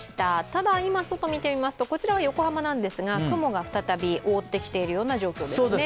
ただ今、外を見てみますとここは横浜なんですが雲が再び覆ってきているような状況ですね。